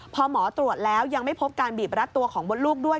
พอหมอตรวจแล้วยังไม่พบการบีบรัดตัวของมดลูกด้วย